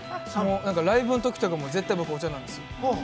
◆ライブのときとかも絶対僕、お茶なんですよ。